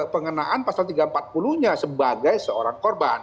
pengenaan pasal tiga ratus empat puluh nya sebagai seorang korban